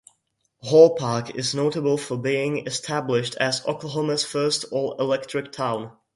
Hall Park is notable for being established as Oklahoma's first "all-electric" town.